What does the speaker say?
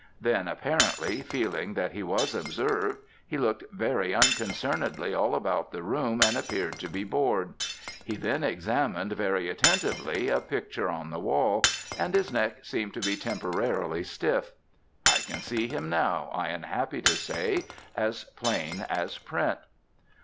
Then, apparently, feeling that he was observed, he looked very unconcernedly all about the room and appeared to be bored. He then examined very attentively a picture on the wall, and his neck seemed to be temporarily stiff. I can see him now, I am happy to say, as plain as print.